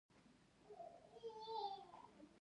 خو د وخت د کموالي او نري باران له امله مې ټول ونه لیدل.